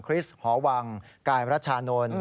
คริสหอวังกายประชานนท์